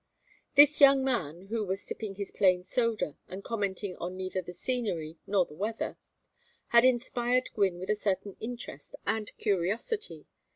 This young man who was sipping his plain soda and commenting on neither the scenery nor the weather, had inspired Gwynne with a certain interest and curiosity.